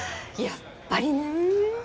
やっぱりね。